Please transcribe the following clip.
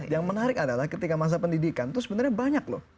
yang menarik adalah ketika masa pendidikan itu sebenarnya banyak loh